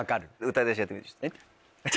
歌い出しやってみて。